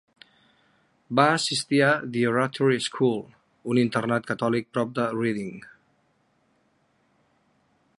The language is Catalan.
Va assistir a The Oratory School, un internat catòlic prop de Reading.